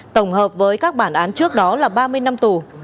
tổng hợp với các bản án trước đó là ba mươi năm tù